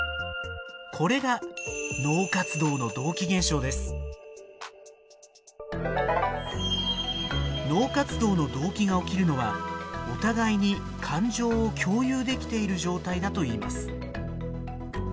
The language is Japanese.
これが脳活動の同期が起きるのはお互いに感情を共有できている状態だといいます。